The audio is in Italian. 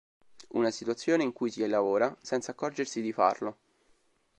Una situazione in cui si lavora senza accorgersi di farlo.